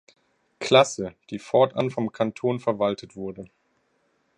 Klasse», die fortan vom Kanton verwaltet wurde.